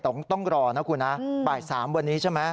แต่ต้องรอนะคุณนะบ่าย๓วันนี้ใช่ไหม